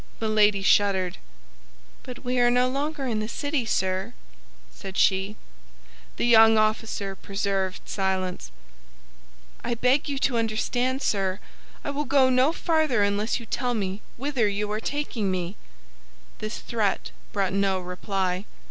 Milady shuddered. "But we are no longer in the city, sir," said she. The young officer preserved silence. "I beg you to understand, sir, I will go no farther unless you tell me whither you are taking me." This threat brought no reply.